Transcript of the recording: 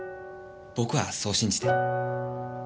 僕はそう信じてる。